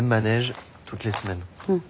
うん。